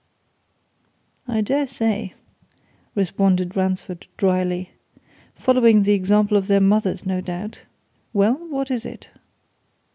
"I daresay," responded Ransford dryly. "Following the example of their mothers, no doubt. Well what is it?"